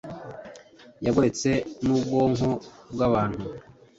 yagoretse n’ubwonko bwabantu